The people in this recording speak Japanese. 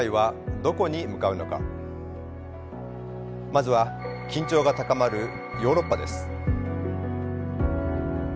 まずは緊張が高まるヨーロッパです。